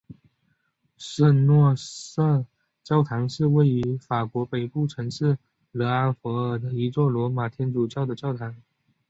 圣若瑟教堂是位于法国北部城市勒阿弗尔的一座罗马天主教的教堂。